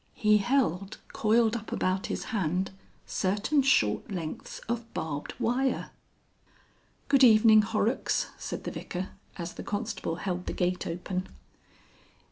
He held coiled up about his hand certain short lengths of barbed wire. "Good evening, Horrocks," said the Vicar as the constable held the gate open.